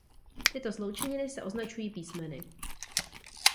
Tyto sloučeniny se označují písmeny.